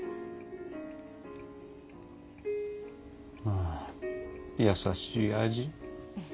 あ優しい味。